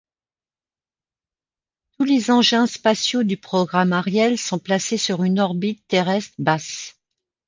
Tous les engins spatiaux du programme Ariel sont placés sur une orbite terrestre basse.